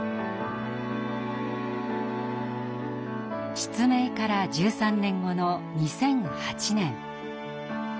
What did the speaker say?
失明から１３年後の２００８年。